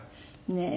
ねえ。